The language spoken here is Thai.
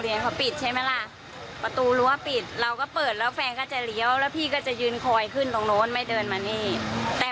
ได้ยินเสียงมอเตอร์ไซค์พอดังแล้วเราก็ไม่ได้นี่นะ